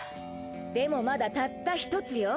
でもまだたった１つよ。